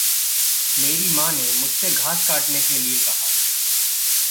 मेरी माँ ने मुझसे घास काटने के लिए कहा।